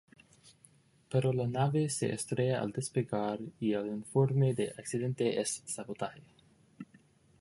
Pero la nave se estrella al despegar y el informe del accidente es: sabotaje.